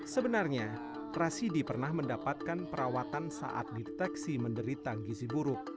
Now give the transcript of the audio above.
sebenarnya rasidi pernah mendapatkan perawatan saat diteksi menderita gisi buruk